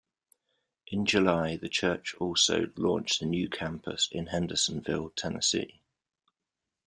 In July, the church also launched a new campus in Hendersonville, Tennessee.